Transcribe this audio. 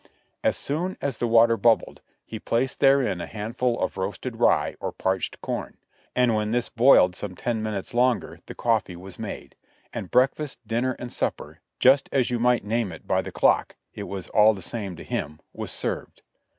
As soon as the water bubbled, he placed therein a handful of roasted rye or parched corn; and when this boiled some ten minutes longer the coffee was made, and break fast, dinner and supper, just as you might name it by the clock, (it was all the same to him) was served.